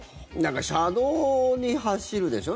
車道に走るでしょ。